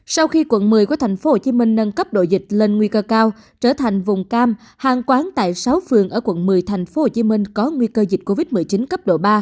sau khi quận một mươi của thành phố hồ chí minh nâng cấp độ dịch lên nguy cơ cao trở thành vùng cam hàng quán tại sáu phường ở quận một mươi thành phố hồ chí minh có nguy cơ dịch covid một mươi chín cấp độ ba